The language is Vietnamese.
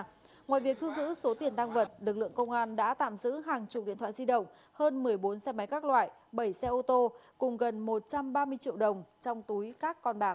ngoài việc thu giữ số tiền tăng vật lực lượng công an đã tạm giữ hàng chục điện thoại di động hơn một mươi bốn xe máy các loại bảy xe ô tô cùng gần một trăm ba mươi triệu đồng trong túi các con bạc